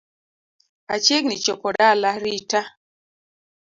Achiegni chopo dala rita